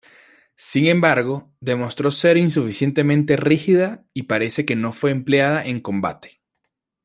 Sin embargo, demostró ser insuficientemente rígida y parece que no fue empleada en combate.